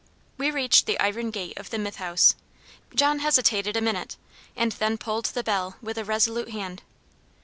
We reached the iron gate of the Mythe House; John hesitated a minute, and then pulled the bell with a resolute hand.